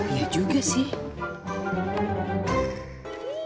iya juga sih